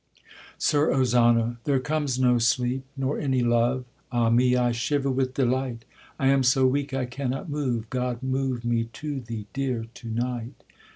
SIR OZANA. There comes no sleep nor any love; Ah me! I shiver with delight. I am so weak I cannot move; God move me to thee, dear, to night!